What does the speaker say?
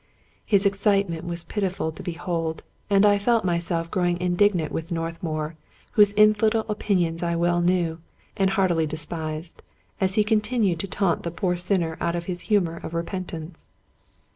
His excitement was pitiful to behold; and I felt myself grow indignant with Northmour, whose infidel opinions I well knew, and heartily despised, as he continued to taunt the poor sinner out of his humor of repentance.